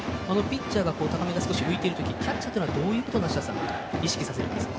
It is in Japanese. ピッチャーが高めで少し浮いているときキャッチャーはどういうことを梨田さん、意識するんですか。